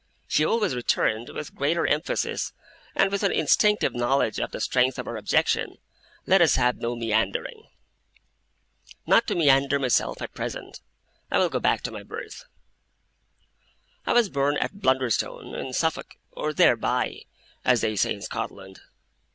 She always returned, with greater emphasis and with an instinctive knowledge of the strength of her objection, 'Let us have no meandering.' Not to meander myself, at present, I will go back to my birth. I was born at Blunderstone, in Suffolk, or 'there by', as they say in Scotland.